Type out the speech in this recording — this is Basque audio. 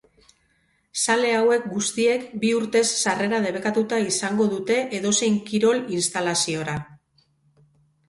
Zale hauek guztiek bi urtez sarrera debekatuta izando dute edozein kirol instalizora.